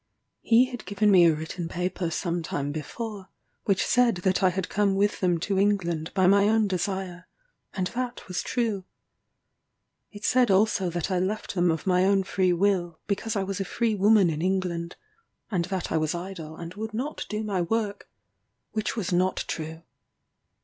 He had given me a written paper some time before, which said that I had come with them to England by my own desire; and that was true. It said also that I left them of my own free will, because I was a free woman in England; and that I was idle and would not do my work which was not true.